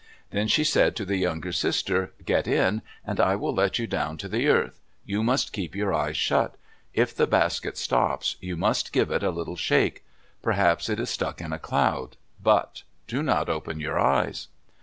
Then she said to the younger sister, "Get in, and I will let you go down to the earth. You must keep your eyes shut. If the basket stops, you must give it a little shake. Perhaps it is stuck in a cloud. But do not open your eyes."